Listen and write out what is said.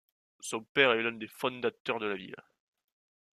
Son père est l'un des fondateurs de la ville.